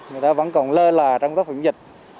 người ta vẫn còn lơ là trong các phòng dịch